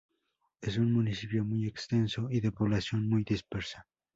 Es un municipio muy extenso y de población muy dispersa.